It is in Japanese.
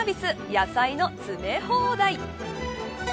野菜の詰め放題。